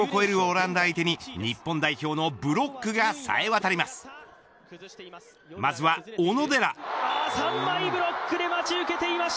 平均身長が２メートルを超えるオランダ相手に日本代表のブロックがさえ渡ります。